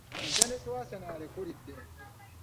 Omutendesi wa Arsenal alekulidde.